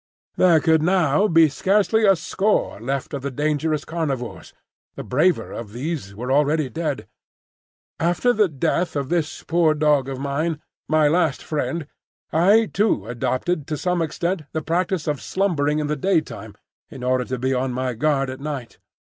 There could now be scarcely a score left of the dangerous carnivores; the braver of these were already dead. After the death of this poor dog of mine, my last friend, I too adopted to some extent the practice of slumbering in the daytime in order to be on my guard at night.